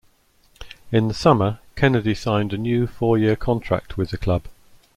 In the summer Kennedy signed a new four-year contract with the club.